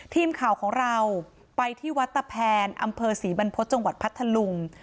ทีมข่าวของเราไปที่วัดตะแพนอำเภอศรีบรรพฤษจังหวัดพัทธลุง